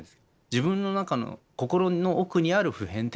自分の中の心の奥にある普遍的な一曲。